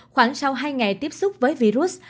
khoảng sau hai ngày tiếp xúc với virus